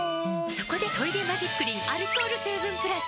そこで「トイレマジックリン」アルコール成分プラス！